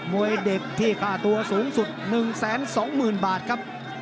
มวยเด็กที่ค่าตัวสูงสุด๑๒๐๐๐บาทครับ